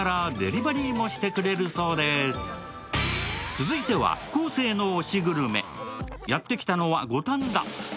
続いては昴生の推しグルメやってきたのは五反田。